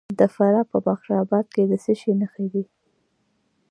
د فراه په بخش اباد کې د څه شي نښې دي؟